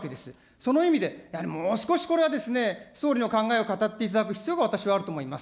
その意味で、やはりもう少しこれは、総理の考えを語っていただく必要が私はあると思います。